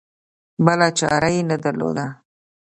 بله چاره یې نه درلوده.